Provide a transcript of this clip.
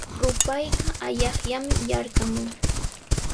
Rupayqa allaqllami yarqamun.